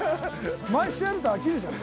毎週やると飽きるじゃん。